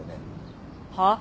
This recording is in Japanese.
はっ？